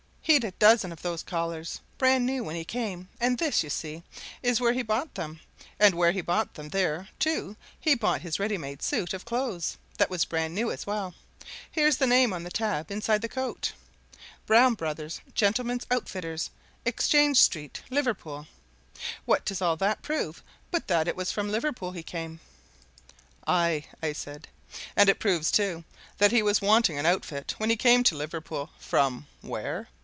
"He'd a dozen of those collars, brand new, when he came, and this, you see, is where he bought them; and where he bought them, there, too, he bought his ready made suit of clothes that was brand new as well, here's the name on a tab inside the coat: Brown Brothers, Gentlemen's Outfitters, Exchange Street, Liverpool. What does all that prove but that it was from Liverpool he came?" "Aye!" I said. "And it proves, too, that he was wanting an outfit when he came to Liverpool from where?